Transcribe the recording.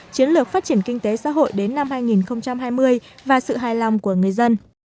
chiến lược phát triển kinh tế xã hội đến năm hai nghìn hai mươi và sự hài lòng của người dân